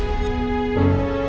gimana kita akan menikmati rena